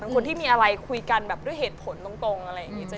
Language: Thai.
เป็นคนที่มีอะไรคุยกันแบบด้วยเหตุผลตรงอะไรอย่างนี้จะดีกว่า